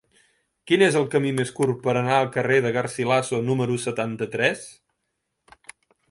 Quin és el camí més curt per anar al carrer de Garcilaso número setanta-tres?